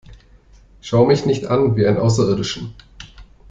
Schau mich nicht an wie einen Außerirdischen!